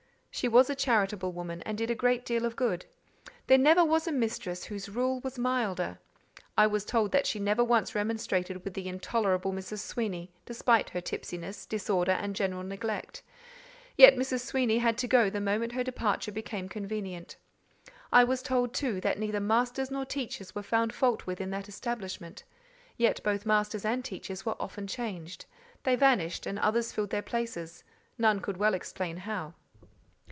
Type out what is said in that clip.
She was a charitable woman, and did a great deal of good. There never was a mistress whose rule was milder. I was told that she never once remonstrated with the intolerable Mrs. Sweeny, despite her tipsiness, disorder, and general neglect; yet Mrs. Sweeny had to go the moment her departure became convenient. I was told, too, that neither masters nor teachers were found fault with in that establishment; yet both masters and teachers were often changed: they vanished and others filled their places, none could well explain how.